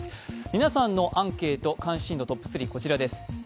皆さんのアンケート、関心度トップ３、こちらです。